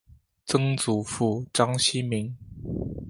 曾祖父章希明。